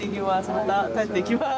また帰ってきます。